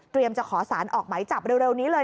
จะขอสารออกไหมจับเร็วนี้เลย